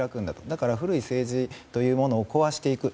だから古い政治というものを壊していく。